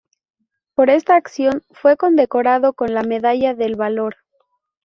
Por esta acción fue condecorado con la medalla del valor.